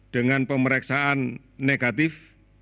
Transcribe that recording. dengan pemeriksaan negatif